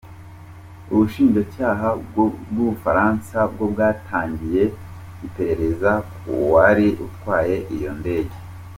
Ubushinjacyaha bwo mu Bufaransa bwo bwatangiye iperereza k’uwari utwaye iyo ndege.